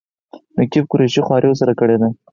نقیب قریشي خواري ورسره کړې ده.